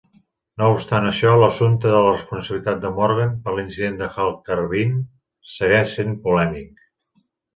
No obstant això, l'assumpte de la responsabilitat de Morgan per l'incident de Hall Carbine segueix sent polèmic.